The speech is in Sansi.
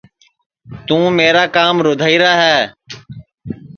توں میرا کام رُدھائرا ہے